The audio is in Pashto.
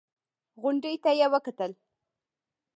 غونډۍ ته يې وکتل.